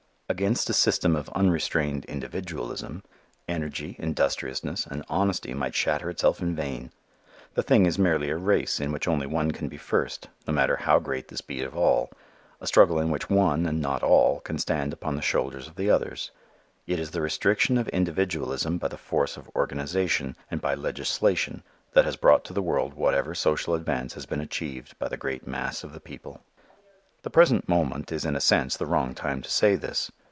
Against a system of unrestrained individualism, energy, industriousness and honesty might shatter itself in vain. The thing is merely a race in which only one can be first no matter how great the speed of all; a struggle in which one, and not all, can stand upon the shoulders of the others. It is the restriction of individualism by the force of organization and by legislation that has brought to the world whatever social advance has been achieved by the great mass of the people. The present moment is in a sense the wrong time to say this.